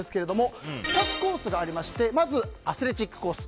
２つコースがありましてまずアスレチックコース。